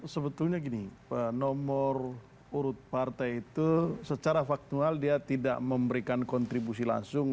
sebetulnya gini nomor urut partai itu secara faktual dia tidak memberikan kontribusi langsung